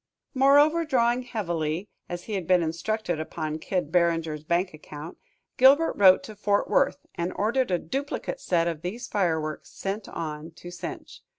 Moreover, drawing heavily, as he had been instructed, upon Kid Barringer's bank account, Gilbert wrote to Fort Worth and ordered a duplicate set of these fireworks sent on to Cinche.